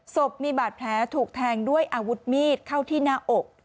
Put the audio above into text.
ศพมีบาดแผลถูกแทงด้วยอาวุธมีดเข้าที่หน้าอก